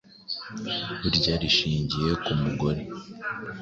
burya rishingiye ku mugore.